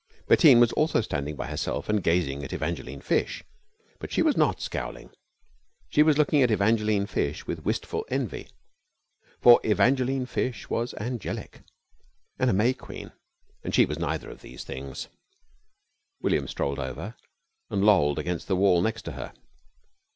Bettine was also standing by herself and gazing at Evangeline Fish. But she was not scowling. She was looking at Evangeline Fish with wistful envy. For Evangeline Fish was "angelic" and a May Queen, and she was neither of these things. William strolled over and lolled against the wall next to her.